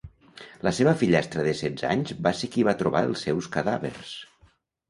La seva fillastra de setze anys va ser qui va trobar els seus cadàvers.